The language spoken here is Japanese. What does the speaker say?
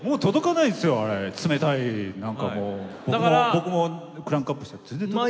僕もクランクアップしたら全然届かない。